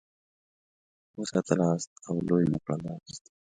وساتلاست او لوی مي کړلاست.